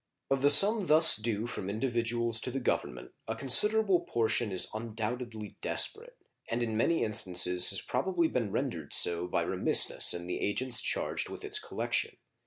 Of the sum thus due from individuals to the Government a considerable portion is undoubtedly desperate, and in many instances has probably been rendered so by remissness in the agents charged with its collection.